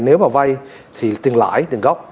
nếu mà vay thì tiền lãi tiền gốc